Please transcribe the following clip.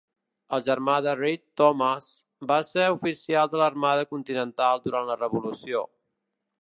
El germà de Read, Thomas, va ser oficial de l'armada continental durant la revolució.